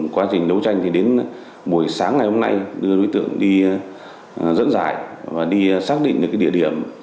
quá trình đấu tranh thì đến buổi sáng ngày hôm nay đưa đối tượng đi dẫn dạy và đi xác định địa điểm